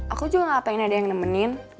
aku juga gak pengen ada yang nemenin